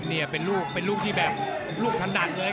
นี่เป็นลูกเป็นลูกที่แบบลูกถนัดเลย